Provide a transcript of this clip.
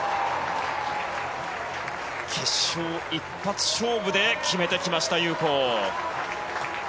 決勝一発勝負で決めてきましたユウ・コウ。